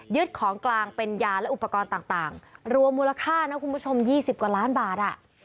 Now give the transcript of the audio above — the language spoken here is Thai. ของกลางเป็นยาและอุปกรณ์ต่างรวมมูลค่านะคุณผู้ชม๒๐กว่าล้านบาทอ่ะ